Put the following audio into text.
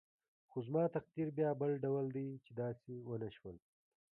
خو زما تقدیر بیا بل ډول دی چې داسې ونه شول.